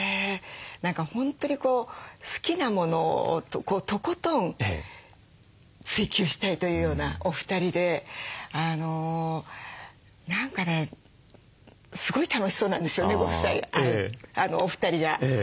何か本当に好きなものをとことん追求したいというようなお二人で何かねすごい楽しそうなんですよねご夫妻がお二人が。